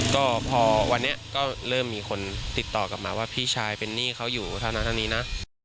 ก็พอวันนี้ก็เริ่มมีคนติดต่อกลับมาว่าพี่ชายเป็นหนี้เขาอยู่เท่านั้นเท่านี้นะ